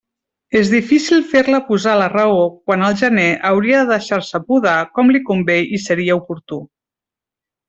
És difícil fer-la posar a la raó quan al gener hauria de deixar-se podar com li convé i seria oportú.